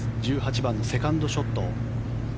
１８番のセカンドショット。